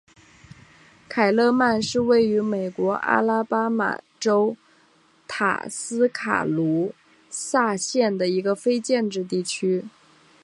凯勒曼是位于美国阿拉巴马州塔斯卡卢萨县的一个非建制地区。